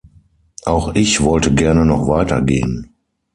Auch ich wollte gerne noch weiter gehen.